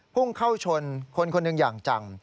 พุ่งเข้าชนคนคนหนึ่งอย่างจัง